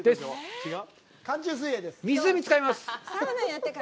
違う？